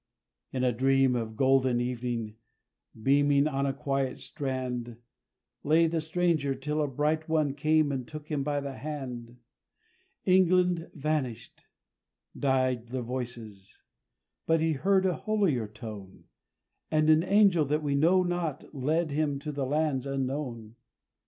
In a dream of golden evening, beaming on a quiet strand, Lay the stranger till a bright One came and took him by the hand. England vanished; died the voices; but he heard a holier tone, And an angel that we know not led him to the lands unknown!